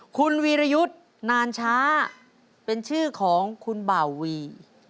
คุณวีรยุทธ์นานช้าเป็นชื่อของคุณบ่าวี